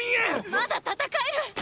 まだ戦える！！